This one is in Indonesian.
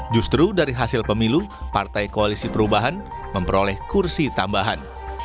justru dari hasil pemilu partai koalisi perubahan memperoleh kursi tambahan